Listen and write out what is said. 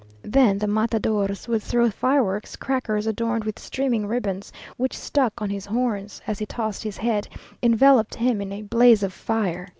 Then the matadors would throw fireworks, crackers adorned with streaming ribbons, which stuck on his horns, as he tossed his head, enveloped him in a blaze of fire.